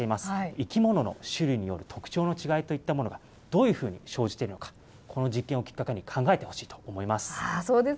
生き物の種類による特徴の違いといったものがどういうふうに生じているのか、この実験をきっかけに考えてほしいと思います。